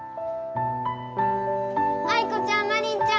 アイコちゃんマリンちゃん！